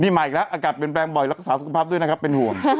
มาอีกแล้วอากาศเปลี่ยนแปลงบ่อยรักษาสุขภาพด้วยนะครับเป็นห่วง